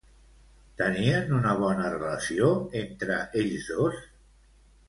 Tenien una bona relació entre ells dos?